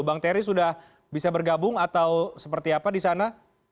bang ferry sudah bisa bergabung atau seperti apa disana